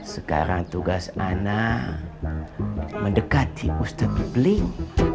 sekarang tugas ana mendekati ustaz bling